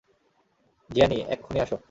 জ্যানি, এক্ষুনি আসো!